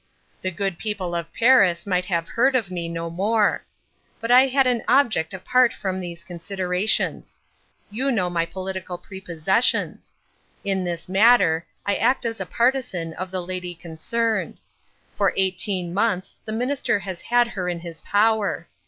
The good people of Paris might have heard of me no more. But I had an object apart from these considerations. You know my political prepossessions. In this matter, I act as a partisan of the lady concerned. For eighteen months the Minister has had her in his power.